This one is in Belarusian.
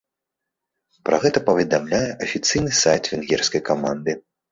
Пра гэта паведамляе афіцыйны сайт венгерскай каманды.